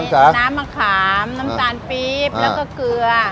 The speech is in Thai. น้ำมะขามน้ำตาลปี๊บแล้วก็เกลือ